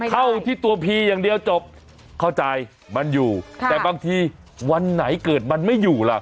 เข้าที่ตัวพีอย่างเดียวจบเข้าใจมันอยู่แต่บางทีวันไหนเกิดมันไม่อยู่ล่ะ